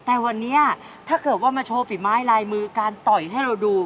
แต่วันนี้ถ้าเกิดว่ามาโชว์ฝีไม้ลายมือการต่อยให้เราดู